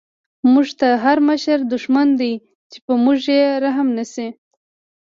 موږ ته هر مشر دشمن دی، چی په موږ یې رحم نه شی